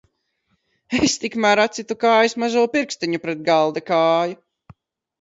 Es tikmēr atsitu kājas mazo pirkstiņu pret galda kāju.